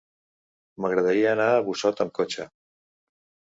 M'agradaria anar a Busot amb cotxe.